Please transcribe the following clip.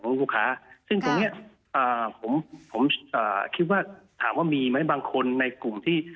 ลูกค้าซึ่งตรงเนี้ยอ่าผมผมอ่าคิดว่าถามว่ามีไหมบางคนในกลุ่มที่